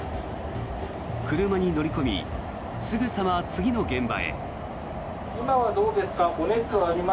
車に乗り込みすぐさま次の現場へ。